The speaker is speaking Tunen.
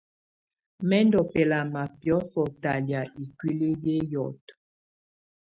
Mɛ ndù bɛlama biɔsɔ talɛ̀á ikuili yɛ hiɔtɔ.